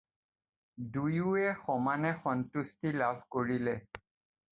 দুয়োয়ে সমানে সন্তুষ্টি লাভ কৰিলে।